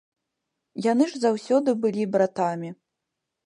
Яны ж заўсёды былі братамі.